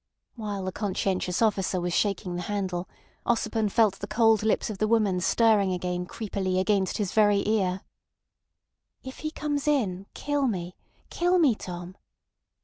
While the conscientious officer was shaking the handle, Ossipon felt the cold lips of the woman stirring again creepily against his very ear: "If he comes in kill me—kill me, Tom."